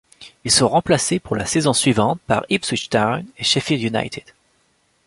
Ils sont remplacés pour la saison suivante par Ipswich Town et Sheffield United.